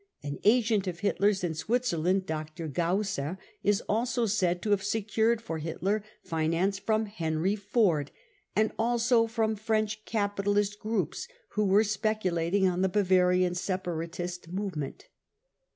An agent of Hitler's in Switzerland, Dr. Gausser, is also said to have secured for Hitler finance from Henry Ford and also from French capitalist groups who were speculating on the Bavarian separatist movement.